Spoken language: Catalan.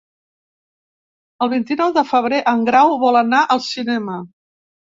El vint-i-nou de febrer en Grau vol anar al cinema.